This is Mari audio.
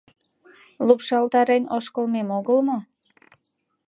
Лупшалтарен ошкылалмем огыл мо?